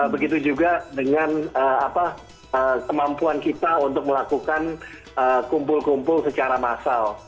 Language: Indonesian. begitu juga dengan kemampuan kita untuk melakukan kumpul kumpul secara massal